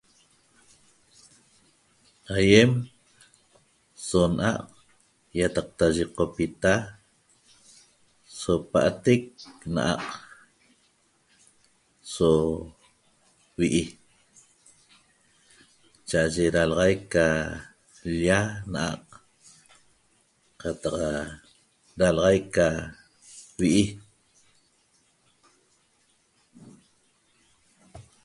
Aiem so naa ietaqta ñoqpita so patric naa' so vii chaaye dalaxaiq ca l'lia naa' cataq da laxai ca vi'i